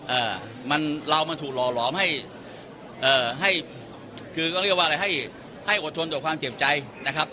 เอ่อมันเรามันถูกหล่อหลอมให้เอ่อให้คือก็เรียกว่าอะไรให้ให้อดทนต่อความเจ็บใจนะครับ